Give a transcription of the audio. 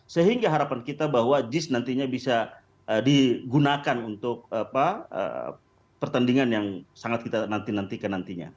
sehingga harapan kita bahwa jis nantinya bisa digunakan untuk pertandingan yang sangat kita nanti nantikan nantinya